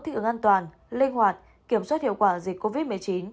thích ứng an toàn linh hoạt kiểm soát hiệu quả dịch covid một mươi chín